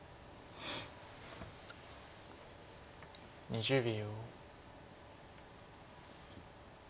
２０秒。